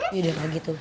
iya udah kayak gitu